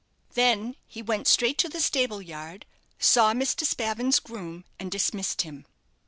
Then he went straight to the stable yard, saw Mr. Spavin's groom, and dismissed him.